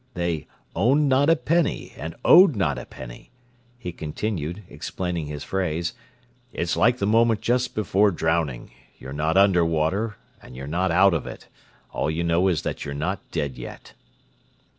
They "owned not a penny and owed not a penny," he continued, explaining his phrase. "It's like the moment just before drowning: you're not under water and you're not out of it. All you know is that you're not dead yet."